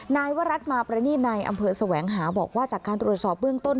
นายวรัฐมาประณีตในอำเภอแสวงหาบอกว่าจากการตรวจสอบเบื้องต้น